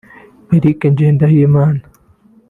Eric Ngendahimana